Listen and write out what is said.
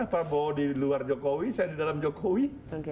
prabowo di luar jokowi saya di dalam jokowi